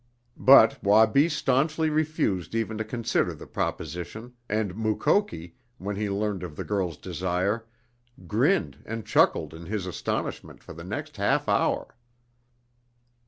But Wabi stanchly refused even to consider the proposition, and Mukoki, when he learned of the girl's desire, grinned and chuckled in his astonishment for the next half hour.